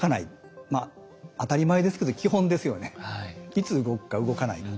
いつ動くか動かないか。